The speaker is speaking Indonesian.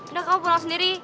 udah kamu pulang sendiri